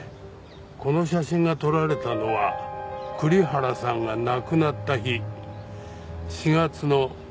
この写真が撮られたのは栗原さんが亡くなった日４月の９日なんです。